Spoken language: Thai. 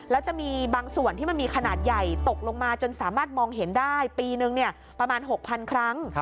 แล้วจะมีบางส่วนที่มันมีขนาดใหญ่ตกลงมาจนสามารถมองเห็นได้ปีนึงประมาณ๖๐๐๐ครั้ง